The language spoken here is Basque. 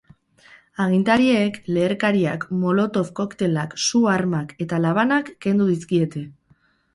Agintariek leherkariak, molotov koktelak, su-armak eta labanak kendu dizkiete.